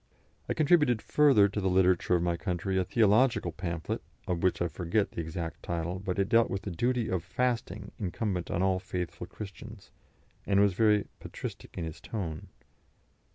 I contributed further to the literature of my country a theological pamphlet, of which I forget the exact title, but it dealt with the duty of fasting incumbent on all faithful Christians, and was very patristic in its tone.